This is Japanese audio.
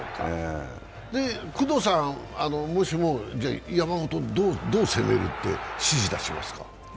工藤さん、もしも山本、どう攻めるか指示出しますか？